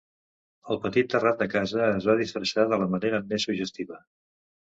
El petit terrat de casa es va disfressar de la manera més suggestiva.